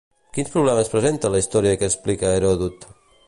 Quins problemes presenta la història que explica Heròdot?